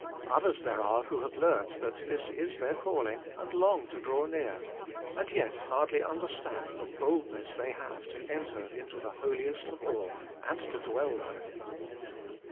Others there are who have learnt that this is their calling, and long to draw near, and yet hardly understand the boldness they have to enter into the Holiest of all, and to dwell there.